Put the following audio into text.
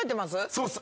そうっす。